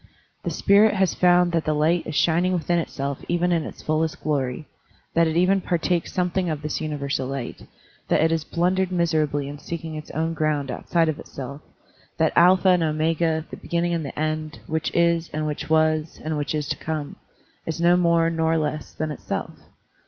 The spirit has found that the light is shining within itself even in its fullest glory, that it even partakes something of this universal light, that it blundered miserably in seeking its own ground outside of itself, that Alpha and Omega, the beginning and the end, which is, and which was, and which is to come,*' is no more nor less than itself.